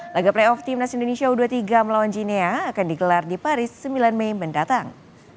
laga playoff timnas indonesia u dua puluh tiga melawan ginea akan digelar di paris sembilan mei mendatang